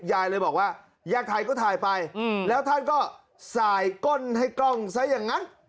ยายเลยบอกว่าอยากถ่ายก็ถ่ายไปแล้วท่านก็สายก้นให้กล้องซะอย่างนั้น